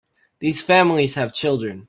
These families have children.